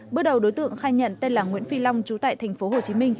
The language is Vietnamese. bước đầu đối tượng khai nhận tên là nguyễn phi long chú tại tp hcm